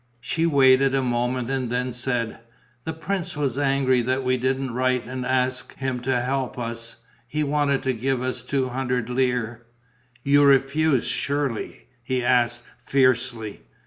She waited a moment and then said: "The prince was angry that we didn't write and ask him to help us. He wanted to give me two hundred lire...." "You refused, surely?" he asked, fiercely.